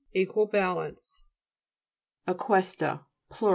Equal balance. EQ.UISE'TA Plur.